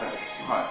はい。